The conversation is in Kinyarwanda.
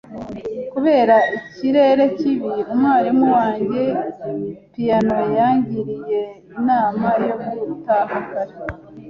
Kubera ikirere kibi, umwarimu wanjye piyano yangiriye inama yo gutaha kare.